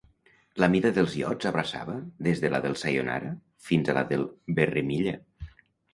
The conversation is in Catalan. La mida dels iots abraçava des de la del "Sayonara" fins a la del "Berrimilla".